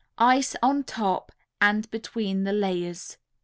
Ice on top and between the layers.